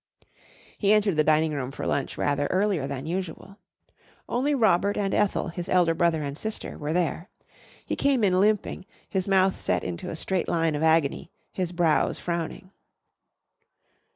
He entered the dining room for lunch rather earlier than usual. Only Robert and Ethel, his elder brother and sister, were there. He came in limping, his mouth set into a straight line of agony, his brows frowning.